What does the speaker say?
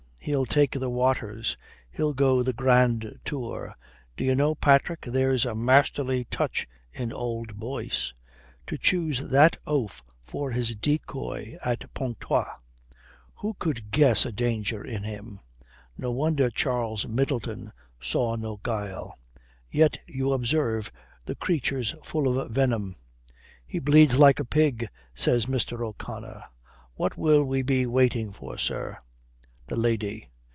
He'll take the waters. He'll go the grand tour. D'ye know, Patrick, there's a masterly touch in old Boyce. To choose that oaf for his decoy at Pontoise! Who could guess at danger in him? No wonder Charles Middleton saw no guile! Yet, you observe, the creature's full of venom." "He bleeds like a pig," says Mr. O'Connor. "What will we be waiting for, sir?" "The lady."